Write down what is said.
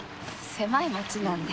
狭い町なんで。